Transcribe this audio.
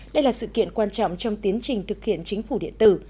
đây là sự kiện quan trọng trong tiến trình thực hiện chính phủ điện tử